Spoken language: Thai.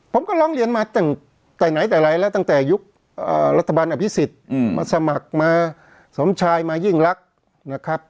ผมก็ร้องเรียนมาตั้งแต่ไหนแต่ไรแล้วตั้งแต่ยุครัฐบาลอภิษฎมาสมัครมาสมชายมายิ่งรักนะครับ